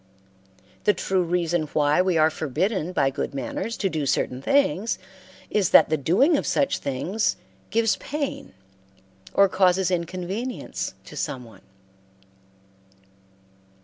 The true reason why we are forbidden by good manners to do certain things is that the doing of such things gives pain or causes inconvenience to some one.